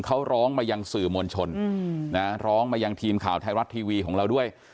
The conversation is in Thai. เขาร้องมายังสื่อมวลชนนะร้องมายังทีมข่าวไทยรัฐทีวีของเราด้วย